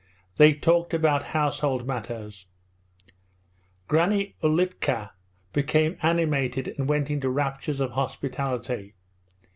They talked about household matters. Granny Ulitka became animated and went into raptures of hospitality.